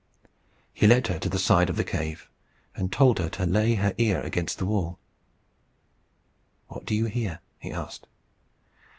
He led her to the side of the cave, and told her to lay her ear against the wall. "What do you hear?" he asked.